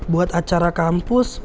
buat acara kampus